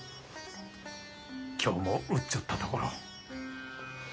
今日も打っちょったところ。